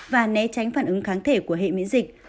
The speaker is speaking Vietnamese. và né tránh phản ứng kháng thể của hệ miễn dịch